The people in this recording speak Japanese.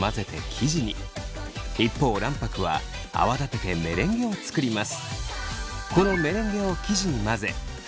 一方卵白は泡立ててメレンゲを作ります。